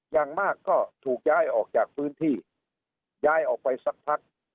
อย่างมากก็ถูกย้ายออกจากพื้นที่ย้ายออกไปสักพัก